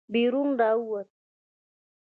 بېرون راووتو.